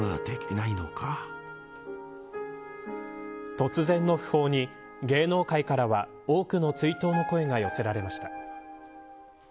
突然の訃報に芸能界からは多くの追悼の声が寄せられました。